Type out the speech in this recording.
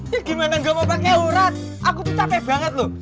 ya gimana gak mau pakai urat aku tuh capek banget loh